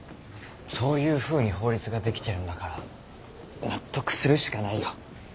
そういうふうに法律ができてるんだから納得するしかないよ。